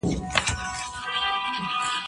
زه اوږده وخت درسونه لوستل کوم؟!